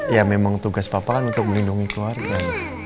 ya memang tugas papa kan untuk melindungi keluarga